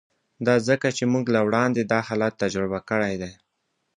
دا ځکه چې موږ له وړاندې دا حالت تجربه کړی دی